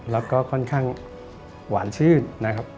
แล้วก็ค่อนข้างหวานชื่นนะครับ